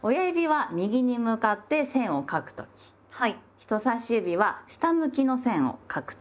人さし指は下向きの線を書く時。